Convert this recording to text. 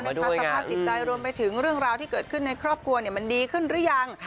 สภาพจิตใจรวมไปถึงเรื่องราวที่เกิดขึ้นในครอบครัวมันดีขึ้นหรือยัง